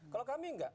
kalau kami nggak